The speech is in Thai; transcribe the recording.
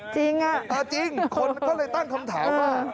จริงอ่ะจริงคนก็เลยตั้งคำถามว่า